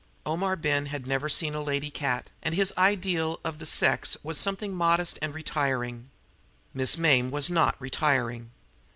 Omar Ben had never seen a lady cat, and his ideal of the sex was something modest and retiring. Miss Mame was not retiring.